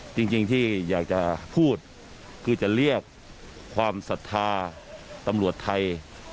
จริงที่อยากจะพูดคือจะเรียกความศรัทธาตำรวจไทย